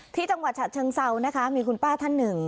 ที่จังหวัดฉะเชิงเซานะคะมีคุณป้าท่านหนึ่ง